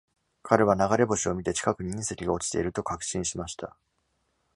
彼は流れ星を見て、近くに隕石が落ちていると確信しました。